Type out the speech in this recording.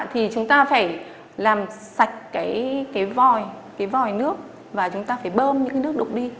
thì chúng ta phải làm sạch cái vòi cái vòi nước và chúng ta phải bơm những cái nước đục đi